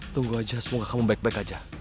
tunggu aja semoga kamu baik baik aja